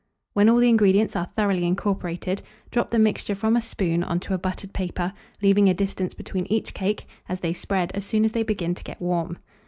When all the ingredients are thoroughly incorporated, drop the mixture from a spoon on to a buttered paper, leaving a distance between each cake, as they spread as soon as they begin to get warm.